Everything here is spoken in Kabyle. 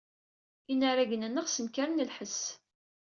Inaragen-nneɣ snekren lḥess.